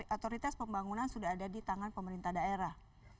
otoritas pembangunan sudah ada di tangan pemerintah daerah